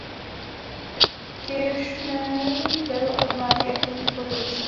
Kirchner byl od mládí aktivní v politice.